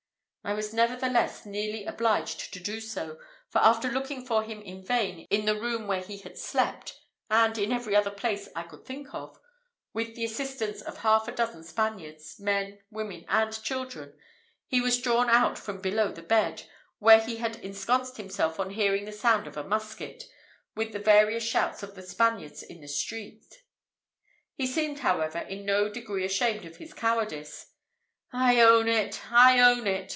I was nevertheless nearly obliged to do so, for after looking for him in vain in the room where he had slept, and in every other place I could think of, with the assistance of half a dozen Spaniards, men, women, and children, he was drawn out from below the bed, where he had ensconced himself on hearing the sound of a musket, with the various shouts of the Spaniards in the street. He seemed, however, in no degree ashamed of his cowardice. "I own it! I own it!"